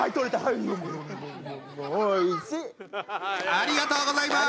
ありがとうございます！